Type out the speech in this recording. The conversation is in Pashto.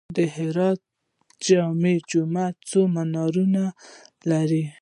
د هرات جامع جومات څو منارونه لري؟